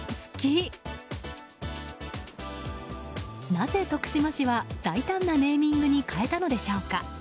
なぜ、徳島市は大胆なネーミングに変えたのでしょうか。